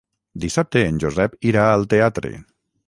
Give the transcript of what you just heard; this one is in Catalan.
Dissabte en Josep irà al teatre.